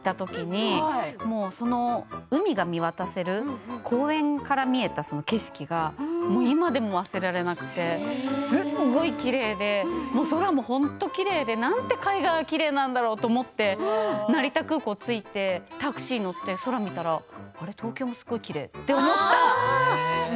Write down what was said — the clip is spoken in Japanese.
ナポリに行った時に海が見渡せる公園から見えた景色が今でも忘れられなくてすごいきれいで空も本当きれいで、なんて海外はきれいなんだろうと思って成田空港に着いてタクシーに乗って空を見たらあれ、東京もすごいきれいと思った。